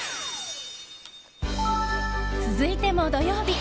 続いても土曜日。